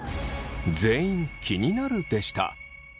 全員「気になる」でした。